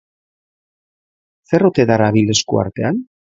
Zer ote darabil esku artean?